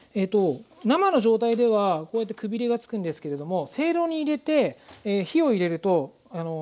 生の状態ではこうやってくびれが付くんですけれどもせいろに入れて火を入れると高さが今度グッと落ちてくるんですね。